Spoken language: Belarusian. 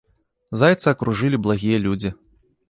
Зайца акружылі благія людзі.